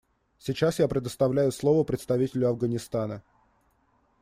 Сейчас я предоставляю слово представителю Афганистана.